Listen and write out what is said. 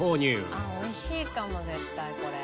あっ美味しいかも絶対これ。